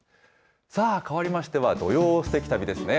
さあ、かわりましては土曜すてき旅ですね。